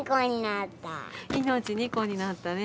命２個になったね